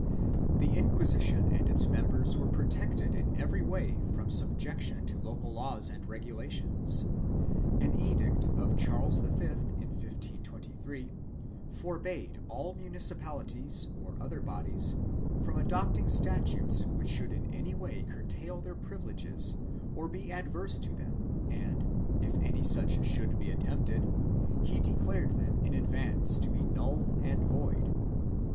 1 The Inquisition and its members were protected in every way from subjection to local laws and regulations. An edict of Charles V, in 1523, forbade all municipalities or other bodies from adopting statutes which should in any way curtail their privileges or be adverse to them and, if any such should be attempted he declared them in advance to be null and void.